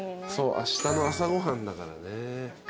あしたの朝ご飯だからね。